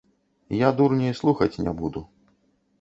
Я дурня і слухаць не буду.